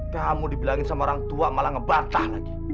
kamu dibilangin sama orang tua malah ngebantah lagi